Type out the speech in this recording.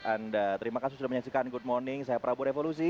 anda terima kasih sudah menyaksikan good morning saya prabu revolusi